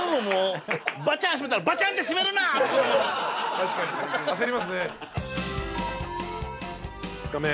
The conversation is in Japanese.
確かに焦りますね。